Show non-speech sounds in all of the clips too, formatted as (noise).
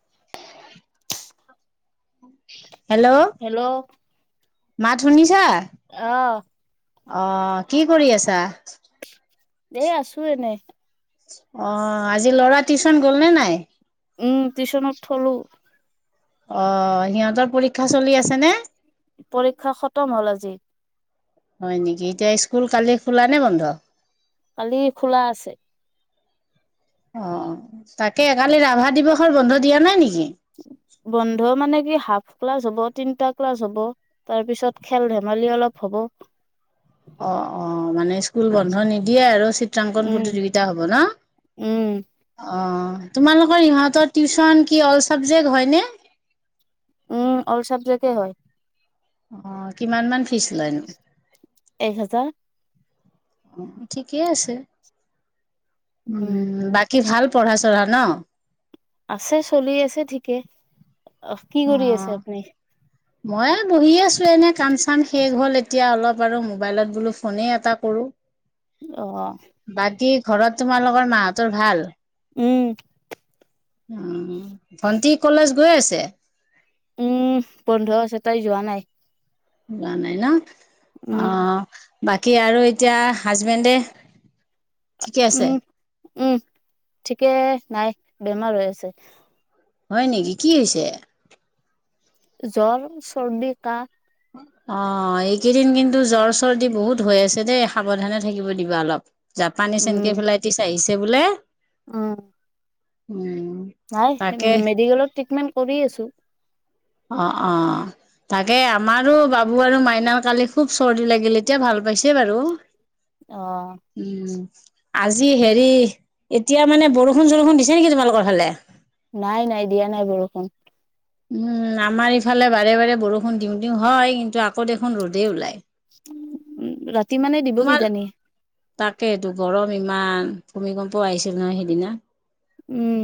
(inaudible) Hello মাত শুনিছা? আহ অ কি কৰি আছা? এই আছো এনেই। অ আজি ল'ৰা টিউশ্যন গ'ল নে নাই? উম টিউশ্যনত থলো। অ সিহঁতৰ পৰীক্ষা চলি আছে নে? পৰীক্ষা খতম হ'ল আজি। হয় নেকি এতিয়া স্কুল কালি খোলা নে বন্ধ? কালি খোলা আছে। অ তাকে এ কালি ৰাভা দিৱসৰ বন্ধ দিয়া নাই নেকি? বন্ধ মানে কি হাফ ক্লাছ হব তিনটা ক্লাছ হব। তাৰ পিছত খেল ধেমালি অলপ হ'ব। অ অ মানে স্কুল বন্ধ নিদিয়ে আৰু চিত্ৰাংকন উম প্ৰতিযোগিতা হব ন? উম। অ তোমালোকৰ কি টিউশ্যন অল চাবজেক্ট হয় নে? উম অল চাবজেকে হয়। অঁ কিমানমান ফিজ লয়নো? এক হেজাৰ। ঠিকেই আছে। উম বাকী ভাল পঢ়া চঢ়া ন? আছে চলি আছে ঠিকে কি কৰি আছে অ আপুনি? মই বহি আছো এনে কাম চাম শেষ হ'ল এতিয়া অলপ। বাৰু মোবাইলত বোলো ফোনেই এটা কৰো। অ। বাকী ঘৰত তোমালোকৰ মাহতঁৰ ভাল? উম। উম ভন্টি কলেজ গৈ আছে? উম বন্ধ আছে তাই যোৱা নাই। যোৱা নাই ন উম অ বাকী আৰু এতিয়া হাজবেণ্ডে ঠিকে আছে উম উম ঠিকে নাই বেমাৰ হৈ আছে হয় নেকি কি হৈছে জ্বৰ চৰ্দি কাহ অ এইকেইদিন কিন্তু জ্বৰ চৰ্দি বহুত হৈ আছে দেই সাৱধানে থাকিব দিবা অলপ জাপানীজ এনকে ফ্লাইটিছ আহিছে বোলে অ উম নাই তাকে মেডিকেলত ট্ৰিটমেন্ট কৰি আছো অ অ তাকে আমাৰো বাবু আৰু মাইনাৰ কালি খুব চৰ্দি লাগিল এতিয়া ভাল পাইছে বাৰু অ উম আজি হেৰি এতিয়া মানে বৰষুণ চৰষুণ দিছে নেকি তোমালোকৰ ফালে নাই নাই দিয়া নাই বৰষুণ উম আমাৰ ইফালে বাৰে বাৰে বৰষুণ দিওঁ দিওঁ হয় কিন্তু আকৌ দেখোন ৰ'দেই ওলায় উম ৰাতি মানে দিব কিজানি তাকে এইটো গৰম ইমান ভূমিকম্প আহিছিল নহয় সেইদিনা। উম।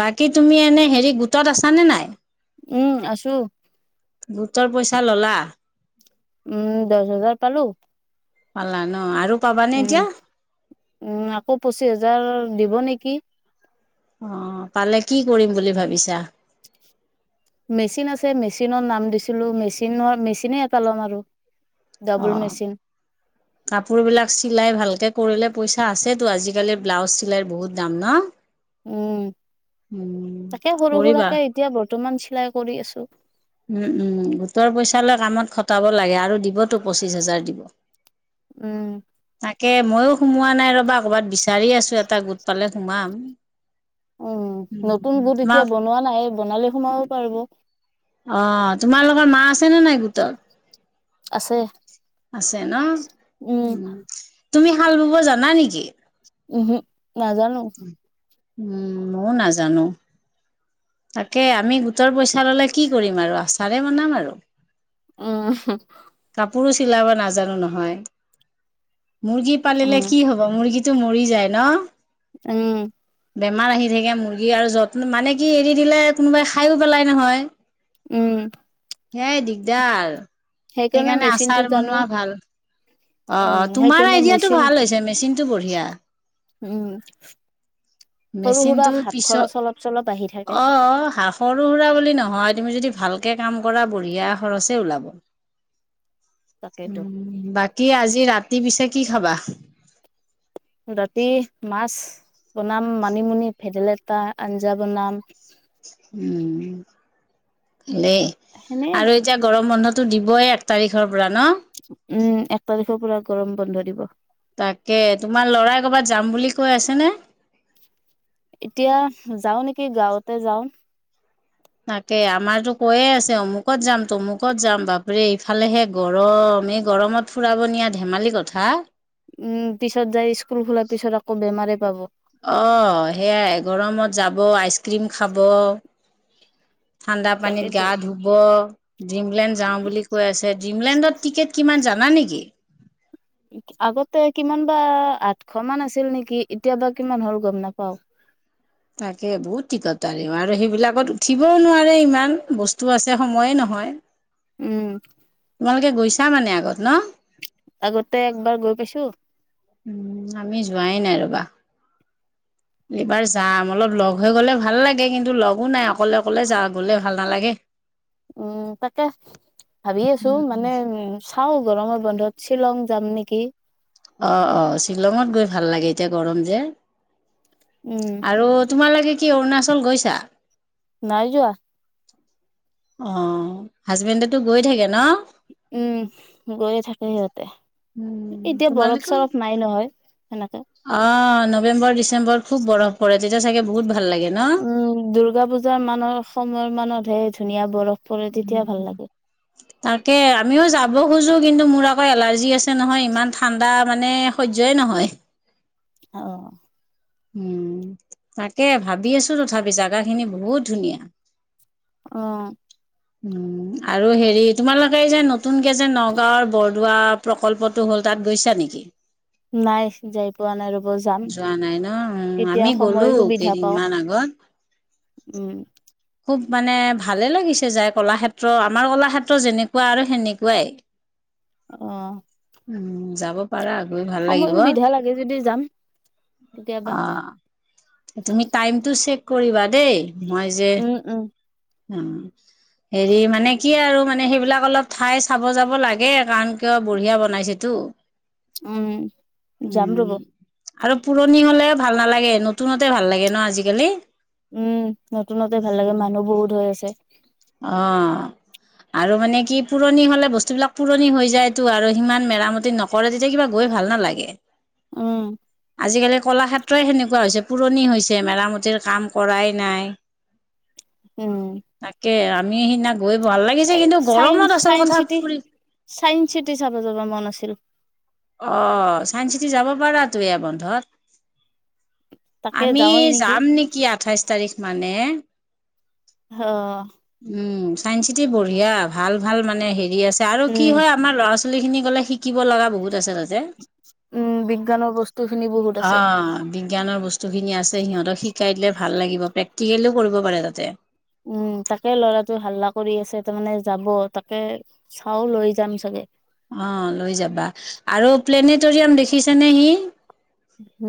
বাকী তুমি এনে হেৰি গোটত আছা নে নাই? উম, আছোঁ। গোটৰ পইচা ললা? উম, দহ হাজাৰ পালোঁ। পালা ন আৰু- পাবানে উম, এতিয়া উম আকৌ পঁচিছ হাজাৰ দিব নেকি! অঁ, পালে কি কৰিম বুলি ভাবিছা? মেচিন আছে মেচিনৰত নাম দিছিলো, মেচনৰ মেচিনে এটা ল'ম আৰু। ডাবুল অঁ। মেচিন কাপোৰবিলাক চিলাই ভালকৈ কৰিলে পইচা আছেতো, আজিকালি ব্লাউজ চিলাই বহুত দাম ন। উম, উম তাকে সৰু কৰিবা। সুৰাকৰাকে এতিয়া বৰ্তমান চিলাই কৰি আছোঁ। উম, উম গোটৰ পইচা লৈ কামত খটাব লাগে আৰু দিবতো পঁচিশ হাজাৰ দিব। উম। তাকে, মইয়ো সোমোৱা নাই ৰবা কৰ'ৰবাত বিচাৰি আছো এটা গোট পালে সোমাম। উম, নতুন উম, গোট এতিয়া তোমাক বনোৱা নাই বনালে সোমাব পাৰিব। অঁ, তোমাৰ লগৰ মা আছেনে নাই গোটত? আছে। আছে ন। উম তুমি শাল বুব জানা নেকি? উহূ, নাজানোঁ। উম, ময়ও নাজানোঁ। তাকে, আমি গোটৰ পইচা ললে কি কৰিম আৰু আচাৰে বনাম আৰু। উম। কাপোৰো চিলাব নাজানো নহয়। মুৰ্গী উম পালিলে কি হ'ব? মুৰ্গীটো মৰি যায় ন? উম। বেমাৰ আহি থাকে মুৰ্গী আৰু যত্ন মানে কি এৰি দিলে কোনোবাই খায়ো পেলাই নহয়। উম। সেইয়াই দিগদাৰ, সেইকাৰণে মেচিনটো আচাৰ জানো বনোৱা ভাল। অঁ, উম অঁ তোমাৰ সেইকাৰণে আইদিয়াটো মেচিন ভাল হৈছে মেচিনটো বঢ়িয়া। উম, সৰু- মেচিনটো সুৰা হাত পিছত খৰচ অলপ -চলপ আহি থাকে। অ সৰু -সুৰা বুলি নহয়, তুমি যদি ভালকৈ কাম কৰা বঢ়িয়া খৰচেই ওলাব। তাকেইতো বাকী, আজি ৰাতি পিছে কি খাবা? ৰাতি মাছ বনাম, মানিমুনি, ভেদাইলতা আঞ্জা বনাম। উম, এনেই সেনে আৰু- এতিয়া গৰম বন্ধটো দিবই এক তাৰিখৰ পৰা ন। উম, এক তাৰিখৰ পৰা গৰম বন্ধ দিব। তাকে, তোমাৰ ল'ৰাই ক'বাত যাম বুলি কৈ আছেনে? এতিয়া যাওঁ নেকি গাওঁতে যাওঁ। তাকে, আমাৰতো কৈয়ে আছে অমুকত যাম, তমুকত যাম বাপৰে! ইফালেহে গৰম, এই গৰমত- ফুৰাব নিয়া ধেমালি কথা। উম, পিছত যাই স্কুল খোলাৰ পিছত আকৌ বেমাৰে পাব। অঁ, সেয়াই গৰমত যাব, আইচক্ৰীম খাব। ঠাণ্ডা পানীত গা তাকেইতো ধুব। ড্ৰিমলেণ্ড যাওঁ বুলি কৈ আছে। ড্ৰিমলেণ্ডত টিকেট কিমান জানা নেকি? আগতে কিমান বা আঠশ মান আছিল নেকি? এতিয়াবা কিমান হল গম নাপাও। তাকে বহুত টিকট আৰু, আৰু সেইবিলাকত উঠিবও নোৱাৰে ইমান বস্তু আছে সময়ে নহয়। উম। তোমালোকে গৈছা মানে আগত ন? আগতে একবাৰ গৈ পাইছো। উম, আমি যোৱাই নাই ৰবা। এইবাৰ যাম। অলপ লগ হৈ গ'লে ভাল লাগে, কিন্তু লগো নাই অকলে, অকলে যা গ'লে, ভাল নালাগে। উম, তাকে ভাবি আছো। মানে উ চাও গৰমৰ বন্ধত শ্বিলং যাম নেকি? অ', অ' শিলংতগৈ ভাল লাগে এতিয়া গৰম যে। উম। আৰু তোমালৈকে কি অৰুণাচল গৈছা? নাই যোৱা। অ', হাজবেণ্ডেতটো গৈ থাকে ন? উম, গৈয়ে থাকে সিহঁতে। উম এতিয়া তোমালোকে বৰফ-চৰফ নাই নহয় সেনেকে। অ', নৱেম্বৰ, ডিচেম্বৰ খুব বৰফ পৰে তেতিয়া চাগে বহুত ভাল লাগে ন? উম দুৰ্গা পূজাৰ মান সময়ৰ মানতহে ধুনীয়া বৰফ পৰে তেতিয়া ভাল লাগে তাকে আমিও যাব খোজো কিন্তু মোৰ আকৌ এলাৰ্জি আছে। নহয় ইমান ঠাণ্ডা মানে সহ্যয়ই নহয়। অ', উম, তাকে ভাবি আছোঁ তথাপি জাগাখিনি বহুত ধুনীয়া। অ', উম, আৰু হেৰি তোমালোকে যে নতুনকে যে নগাঁও বৰদোৱা প্ৰকল্পটো গৈছা নেকি? নাই। যাই পোৱা নাই ৰ'ব যাম। যোৱা নাই ন উম আমি কেতিয়া গ'লো সময় সুবিধা পাও? কেইদিনমান আগত উম। খুব মানে ভালে লাগিছে যাই। কলাক্ষেত্ৰ আমাৰ কলাক্ষেত্ৰ যেনেকুৱা আৰু সেনেকুৱাই। অ', উম, যাব পাৰা গৈ ভাল সময় লাগিব অ'। সুবিধা লাগে যদি যাম কেতিয়াবা তুমি টাইমতটো চেক কৰিবা দেই, মই যে উম, উম। উম। হেৰি মানে কি আৰু মানে সেইবিলাক অলপ ঠাই চাব যাব লাগে কাৰণ কিয় বঢ়িয়া বনাইছে। টো। উম, যাম ৰব‌। আৰু পুৰণি হলে ভাল নালাগে, নতুনতে ভাল লাগে ন আজিকালি? উম, নতুনতে ভাল লাগে মানুহ বহুত হৈ আছে। অ', আৰু মানে কি পুৰণি হলে বস্তুবিলাক পুৰণি হৈ যায়তটো আৰু সিমান মেৰামতি নক কৰে তেতিয়া কিবা গৈ ভাল নালাগে, উম আজিকালি কলাক্ষেত্ৰই সেনেকুৱা। নেকুৱা হৈছে পুৰণি হৈছে মেৰামতিৰ কাম কৰাই নাই। উম, তাকে আমি সেইদিনা গৈ ভাল লাগিছে এই কিন্তু চাইন্স গৰমত আচল চাইন্স কথা চিটি ফুৰিম চাইন্স চিটি চাব যাব মন আছিল। অ' চাইন্স চিটি যাব পাৰাতো এয়া বন্ধত। তাকে আমি যাওঁৱেই যাম নেকি আঠাইশ তাৰিখ মানে। হ'! উম চাইন্স চিটি বঢ়িয়া ভাল ভাল মানে হেৰি আছে আৰু। কি উম হয় আমাৰ ল'ৰা-ছোৱালীখিনী গ'লে শিকিব লগা বহুত আছে তাতে। যে! উম বিজ্ঞানৰ বস্তু খিনি বহুত আছে অ'। জ্ঞানৰ বস্তুখিনি আছে, সিহঁতক শিকাই দিলে ভাল লাগিব প্ৰেক্টিকেলিও কৰিব পাৰে তাতে। উম তাকে ল'ৰাটো হাল্লা কৰি আছে তাৰমানে যাব। তাকে চাও লৈ যাম চাগে। অ' লৈ যাবা! আৰু প্লেনেটৰিয়াম দেখিছেনে সি?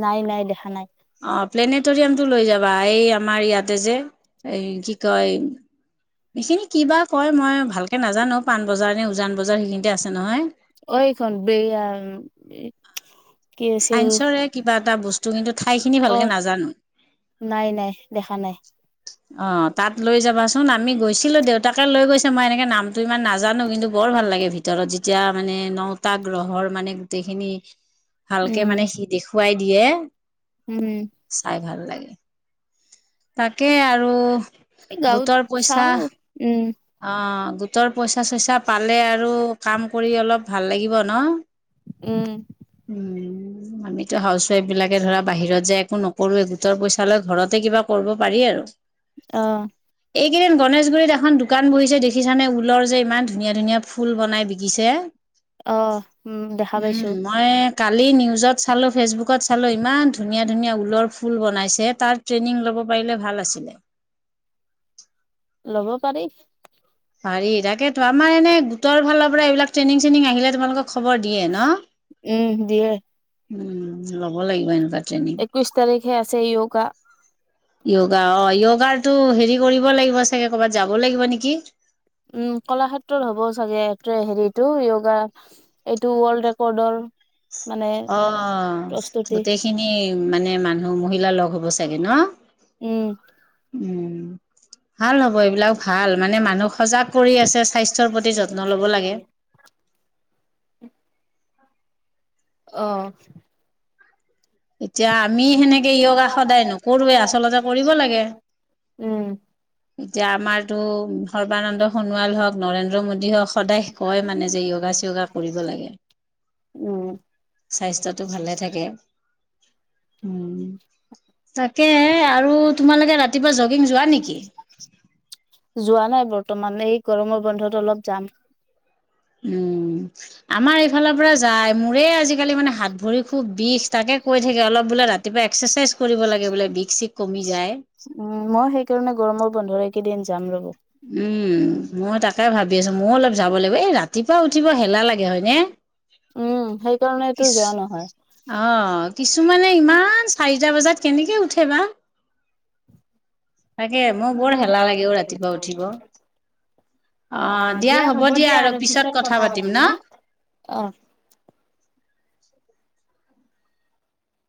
নাই নাই দেখা নাই। অ' প্লেনেটৰিয়ামটো লৈ যাবা। এই আমাৰ ইয়াতে যে এ কি কয় এইখিনি কি বা কয় মই ভালকৈ নাজানো পাণবজাৰ নে উজান বজাৰ সেইখিনিতে আছে নহয়। (unintelligible) কি আছিল চাইন্সৰে কিবা এটা বস্তু, কিন্তু ঠাইখিনি অ ভালকে নাজানো। নাই নাই দেখা নাই। অ' তাত লৈ যাবাচোন, আমি গৈছিলো দেউতাকে লৈ গৈছে মই এনেকে নাম টো ইমান নাজানো কিন্তু বৰ ভাল লাগে ভিতৰত যেতিয়া মানে নটা গ্ৰহৰ মানে গোটেইখিনি ভালকে উম মানে সি দেখুৱাই দিয়ে। উম। চাই ভাল লাগে। তাকে আৰু এই গাঁৱত গোটৰ পইচা চাও উম। অ' গোটৰ পইচা-চইচা পালে আৰু কাম কৰি অলপ ভাল লাগিব ন? উম। উম। আমিতো হাউচ ৱাইফ বিলাকে ধৰা বাহিৰত যায় একো নকৰোৱে গোটৰ পইচা লৈ ঘৰতে কিবা কৰিব পাৰি আৰু। অ'। এইকেইদিন গণেশগুৰিত এখন দোকান বহিছে দেখিছানে? ঊলৰ যে ইমান ধুনীয়া ধুনীয়া ফুল বনাই বিকিছে। অ' দেখা উম পাইছো। মই কালি নিউজত চালোঁ, ফেচবুকত চালোঁ, ইমান ধুনীয়া ধুনীয়া ঊলৰ ফুল বনাইছে তাত। ট্ৰেইনিং ল'ব পাৰিলে ভাল আছিল। ল'ব পাৰি। পাৰি তাকেতো আমাৰ এনে গোটৰ ফালৰ পৰা এইবাক ট্ৰেইনিং-চ্ৰেইনিং আহিলে তোমালোকক খবৰ দিয়ে ন, উম দিয়ে উ ল'ব লাগিব এ (unintelligible) বিশ তাৰিখে আছে য়গা। য়োগা অ' য়োগাৰটো হেৰি কৰিব লাগিব চাগে। ক'বাত যাব লাগিব নেকি? উম কলা ক্ষেত্ৰত হ'ব চাগে হেৰিটো য়োগা। এইটো ৱৰ্ল্ড ৰেকৰ্ডৰ। মানে অঁ প্ৰস্তুতি গোটেইখিনি এই মানে মানুহ মহিলাৰ লগ হ'ব চাগে ন? উম, উম, ভাল হ'ব এইবিলাক ভাল মানে মানুহ সজাগ কৰি আছে স্বাস্থ্যৰ প্ৰতি যত্ন ল'ব লাগে। অ', এতিয়া আমি সেনেকে য়োগা সদায় নকৰোৱেই আচলতে কৰিব লাগে। উম এতিয়া আমাৰতো সৰ্বানন্দ সোণোৱাল হওক, নৰেন্দ্ৰ মোডী হওক সদায় কয় মানে যে য়োগা চোগা কৰিব লাগে। উম স্বাস্থ্যটো ভালে থাকে। উম, তাকে এ আৰু তোমালোকে ৰাতিপুৱা যক যোৱা নাই বৰ্তমান এই গৰমৰ বন্ধত অলপ যাম। উম, আমাৰ এইফালৰ পৰা যায় মোৰেই আজিকালি মানে হাত, ভৰি খুব বিষ তাকে কৈ থাকে অলপ বোলে ৰাতিপুৱাঁ এক্সাচাইজ কৰিব লাগে বোলে বিষ-চিস কমি যায়। উম, মই সেইকাৰণে গৰমৰ বন্ধৰ একেইদিন যাম ৰ'ব। উম, মই তাকে ভাবি আছোঁ ময়ো অলপ যাব লাগিব এ ৰাতিপুৱা উঠিব হেলা লাগে হয়নে? উম, সেই কিছ অ' কিছুমানে ইমান চাৰিটা বজাত কেনেকে উঠে ঠে বা তাকে মোৰ বৰ হেলা লাগে অ' ৰাতিপুৱা উঠ উঠিব অ' দিয়া হ'ব দিয়া আৰু পিছত কথা পাতিম ন'। অ',